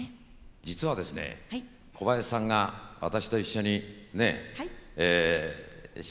実はですね小林さんが私と一緒にね仕事したのは。